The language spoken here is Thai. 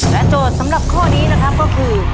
และโจทย์สำหรับข้อนี้ก็คือ